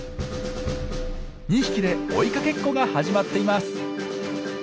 ２匹で追いかけっこが始まっています。